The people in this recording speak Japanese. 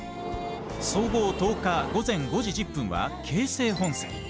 総合１０日、午前５時１０分は「京成本線」。